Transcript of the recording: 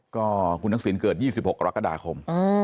ก็คุณทักษิณเกิด๒๖กรกฎาคม